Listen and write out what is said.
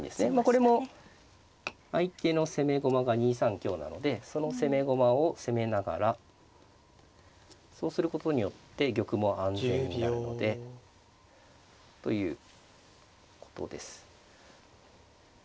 これも相手の攻め駒が２三香なのでその攻め駒を責めながらそうすることによって玉も安全になるのでということです。